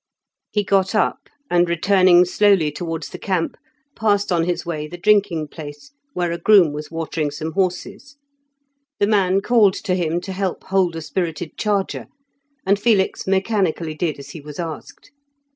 He got up, and returning slowly towards the camp, passed on his way the drinking place, where a groom was watering some horses. The man called to him to help hold a spirited charger, and Felix mechanically did as he was asked.